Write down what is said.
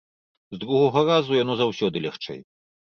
З другога разу яно заўсёды лягчэй.